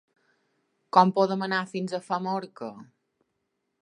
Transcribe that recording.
Com podem anar fins a Famorca?